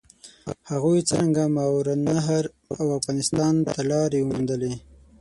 هغوی څرنګه ماورالنهر او افغانستان ته لارې وموندلې؟